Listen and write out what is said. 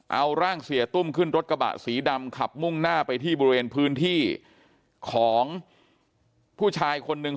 เอาร่างเสียตุ้มขึ้นรถกระบะสีดำขับมุ่งหน้าไปที่บริเวณพื้นที่ของผู้ชายคนนึง